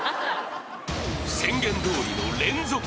［宣言どおりの連続撃破］